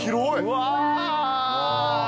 うわ！